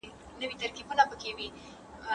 د کلي خلکو یې ویاړ وکړ.